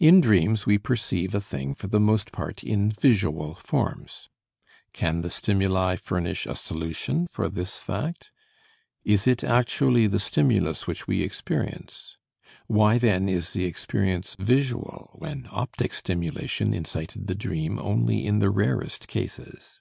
In dreams we perceive a thing for the most part in visual forms. Can the stimuli furnish a solution for this fact? Is it actually the stimulus which we experience? Why, then, is the experience visual when optic stimulation incited the dream only in the rarest cases?